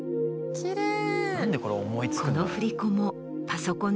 きれい。